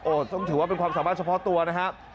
ต้องถือว่าเป็นความสามารถเฉพาะตัวนะครับ